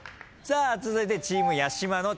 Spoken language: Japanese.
続いてチーム八嶋の挑戦です。